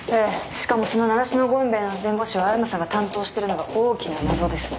しかもその名無しの権兵衛の弁護士を青山さんが担当してるのが大きな謎です。